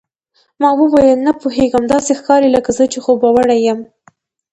ما وویل، نه پوهېږم، داسې ښکاري لکه زه چې خوبوړی یم.